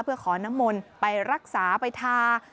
เพื่อขอน้ำมนต์ไปรักษาไปทา